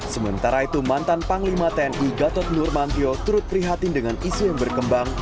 sementara itu mantan panglima tni gatot nurmantio turut prihatin dengan isu yang berkembang